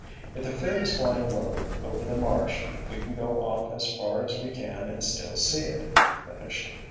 "If the 'phib' is flying low over the marsh, we can go off as far as we can and still see it," he finished.